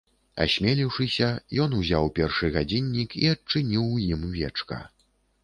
Асмеліўшыся, ён узяў першы гадзіннік і адчыніў у ім вечка.